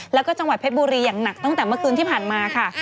แล้วก็จังหวัดเพชรบุรีอย่างหนักตั้งแต่เมื่อคืนที่ผ่านมาค่ะ